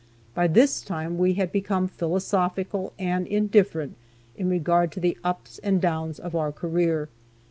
By this time we had become philosophical and indifferent in regard to the ups and downs of our career.